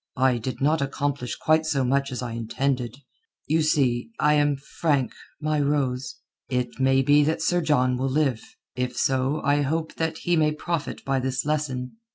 I did not accomplish quite so much as I intended. You see, I am frank, my Rose. It may be that Sir John will live; if so I hope that he may profit by this lesson.